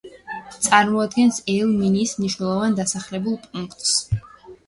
წარმოადგენს ელ-მინიის მნიშვნელოვან დასახლებულ პუნქტს.